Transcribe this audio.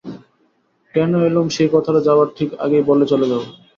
কেন এলুম সেই কথাটা যাবার ঠিক আগেই বলে চলে যাব।